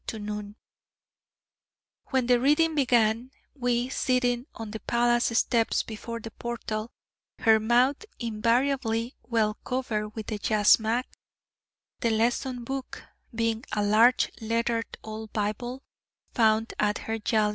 to noon, when the reading began, we sitting on the palace steps before the portal, her mouth invariably well covered with the yashmak, the lesson book being a large lettered old Bible found at her yali.